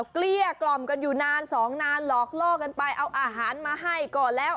เกลี้ยกล่อมกันอยู่นานสองนานหลอกล่อกันไปเอาอาหารมาให้ก่อนแล้ว